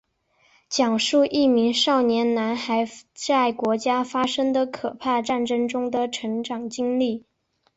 讲述一名少年男孩在国家发生的可怕战争中的成长经历。